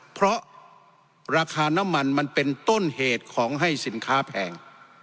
เพราะราคาน้ำมันมันเป็นต้นเหตุของให้สินค้าแพง